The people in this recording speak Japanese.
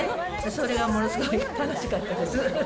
それがものすごい楽しかったです。